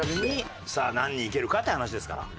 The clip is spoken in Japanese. さあ何人いけるかって話ですから。